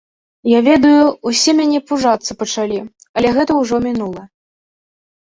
Я ведаю, усе мяне пужацца пачалі, але гэта ўжо мінула.